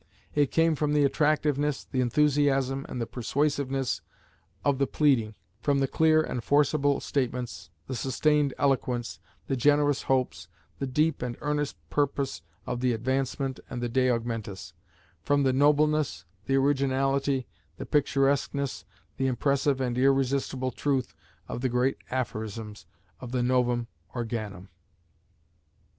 It came from the attractiveness, the enthusiasm, and the persuasiveness of the pleading; from the clear and forcible statements, the sustained eloquence, the generous hopes, the deep and earnest purpose of the Advancement and the De Augmentis; from the nobleness, the originality, the picturesqueness, the impressive and irresistible truth of the great aphorisms of the Novum Organum.